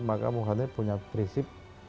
maka muhammad punya prinsip